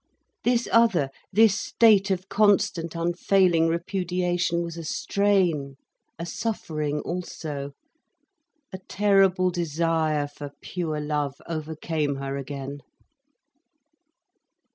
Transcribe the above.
This other, this state of constant unfailing repudiation, was a strain, a suffering also. A terrible desire for pure love overcame her again.